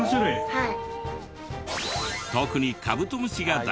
はい。